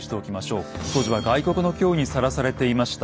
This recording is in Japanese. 当時は外国の脅威にさらされていました。